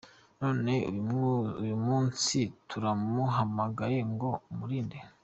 None uyu munsi turamugahaye ngo umurinde.